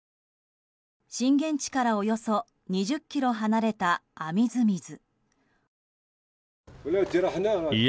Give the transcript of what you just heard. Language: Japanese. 震源地からおよそ２０ｋｍ離れたアミズミズ。